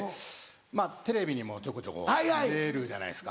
まぁテレビにもちょこちょこ出るじゃないですか。